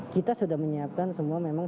kita sudah menyiapkan semua memang